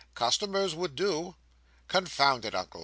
"Customers would do." "Confound it, Uncle!"